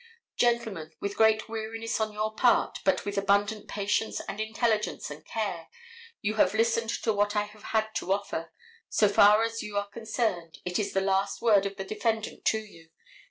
Gentlemen, with great weariness on your part, but with abundant patience and intelligence and care, you have listened to what I have had to offer. So far as you are concerned, it is the last word of the defendant to you.